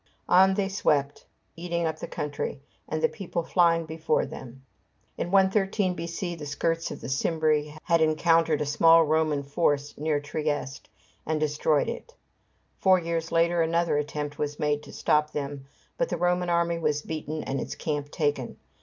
On they swept, eating up the country, and the people flying before them. In 113 B.C. the skirts of the Cimbri had encountered a small Roman force near Trieste, and destroyed it. Four years later another attempt was made to stop them, but the Roman army was beaten and its camp taken.